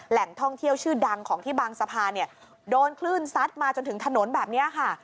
แหล่งท่องเที่ยวชื่อดังของที่บางสะพานเนี่ยโดนคลื่นซัดมาจนถึงถนนแบบนี้ค่ะ